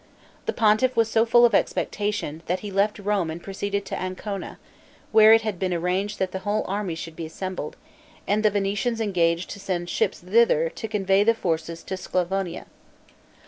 The pontiff was so full of expectation, that he left Rome and proceeded to Ancona, where it had been arranged that the whole army should be assembled, and the Venetians engaged to send ships thither to convey the forces to Sclavonia.